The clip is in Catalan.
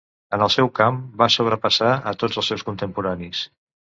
En el seu camp, va sobrepassar a tots els seus contemporanis.